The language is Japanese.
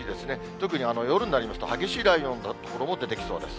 特に夜になりますと、激しい雷雨の所も出てきそうです。